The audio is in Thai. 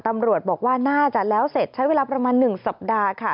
ตำรวจบอกว่าน่าจะแล้วเสร็จใช้เวลาประมาณ๑สัปดาห์ค่ะ